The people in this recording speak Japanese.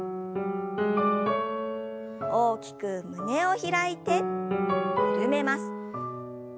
大きく胸を開いて緩めます。